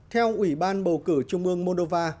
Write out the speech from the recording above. theo ủy ban bầu cử trung ương moldova